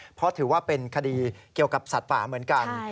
เพราะถือว่าเป็นคดีเกี่ยวกับสัตว์ป่าเหมือนกัน